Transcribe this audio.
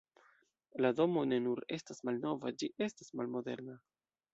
La domo ne nur estas malnova, ĝi estas malmoderna.